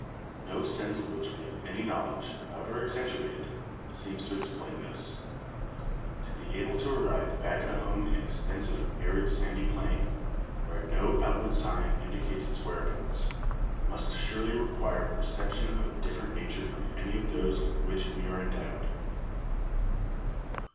No sense of which we have any knowledge, however accentuated, seems to explain this. To be able to arrive back at a home in an extensive arid sandy plain, where no outward sign indicates its whereabouts, must surely require perception of a different nature from any of those with which we are endowed.